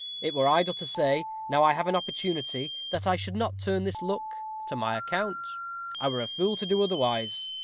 It were idle to say, now I have an opportunity, that I should not turn this luck to my account. I were a fool to do otherwise.